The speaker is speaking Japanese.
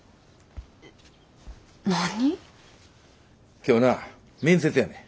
今日な面接やねん。